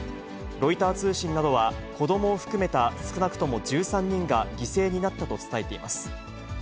ロイター通信などは、子どもを含めた少なくとも１３人が犠牲になったと伝えています。